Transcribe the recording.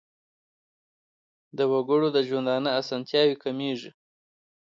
د وګړو د ژوندانه اسانتیاوې کمیږي.